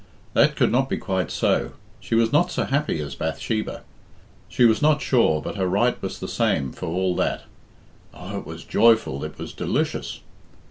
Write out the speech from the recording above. That could not be quite so; she was not so happy as Bathsheba; she was not sure, but her right was the same for all that. Oh, it was joyful, it was delicious!